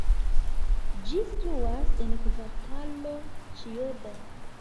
Ĝi situas en Kvartalo Ĉijoda.